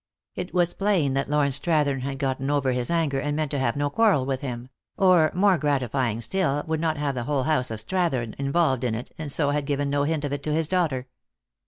It was plain that Lord Strathern had gotten over his anger, and meant to have no quarrel with him; or, more gratifying still, would not have the whole house of Strathern involved in it, and so had given no hint of it to his daughter.